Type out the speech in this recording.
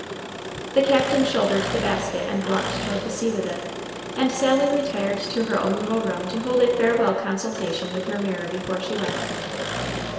The Captain shouldered the basket and walked toward the sea with it, and Sally retired to her own little room to hold a farewell consultation with her mirror before she went.